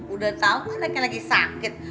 udah tau kan laki laki sakit